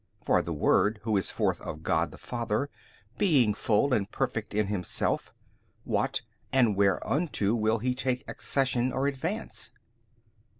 for the Word Who is forth of God the Father being full and Perfect in Himself, what and whereunto will He take accession or advance?